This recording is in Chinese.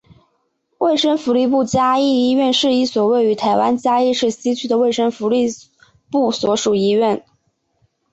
卫生福利部嘉义医院是一所位于台湾嘉义市西区的卫生福利部所属医院。